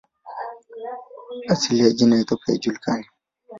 Asili ya jina "Ethiopia" haijulikani.